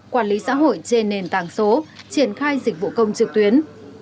quản lý xã hội trên nền tảng số triển khai dịch vụ công trực tuyến